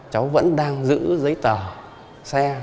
cháu vẫn đang giữ giấy tờ xe